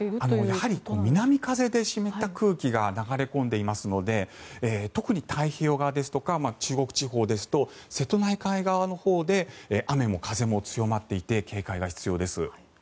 やはり南風で湿った空気が流れ込んでいますので特に太平洋側ですとか中国地方ですと瀬戸内海側のほうで雨も風も強まっていて警戒が必要です。